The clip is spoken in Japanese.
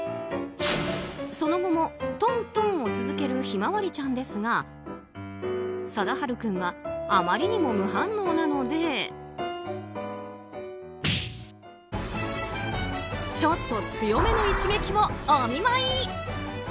その後もトントンを続けるひまわりちゃんですが貞春君があまりにも無反応なのでちょっと強めの一撃をお見舞い。